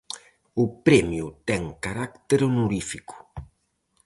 O premio ten carácter honorífico.